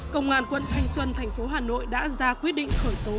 công an quân thanh xuân thành phố hà nội đã ra quyết định khởi tố vụ án